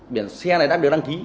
biển xe này đã được đăng ký